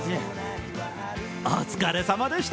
お疲れさまでした。